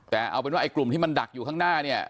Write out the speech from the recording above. แต่เอาเป็นว่าไอ้กลุ่มที่มันดักอยู่ข้างหน้าเนี่ย